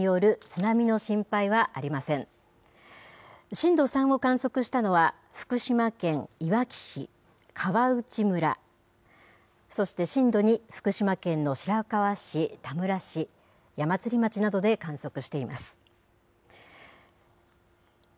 震度３を観測したのは、福島県いわき市、川内村、そして震度２、福島県の白河市、たむら市、やまつり町などで観測しています。